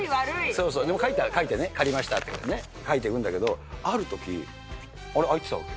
そうそう、でも書いてね、借りましたって、書いていくんだけど、あるとき、開いてたわけ。